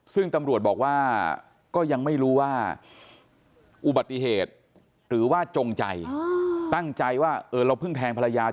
ซึ่งตำรวจบอกว่าก็ยังไม่รู้ว่าอุบัติเหตุหรือว่าจงใจตั้งใจว่าเราเพิ่งแทงภรรยา